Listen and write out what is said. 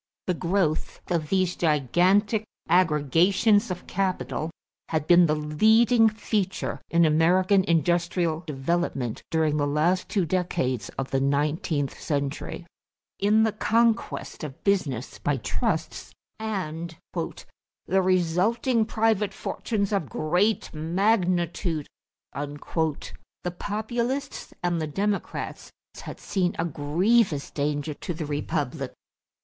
The growth of these gigantic aggregations of capital had been the leading feature in American industrial development during the last two decades of the nineteenth century. In the conquest of business by trusts and "the resulting private fortunes of great magnitude," the Populists and the Democrats had seen a grievous danger to the republic.